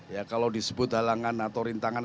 ya kalau disebut halangan atau rintangan